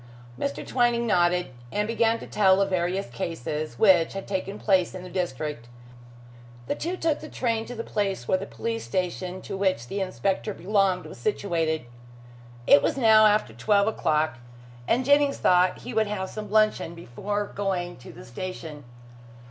Mr. Twining nodded, and began to tell of various cases which had taken place in the district. The two took the train to the place where the police station to which the inspector belonged was situated. It was now after twelve o'clock, and Jennings thought he would have some luncheon before going to the station.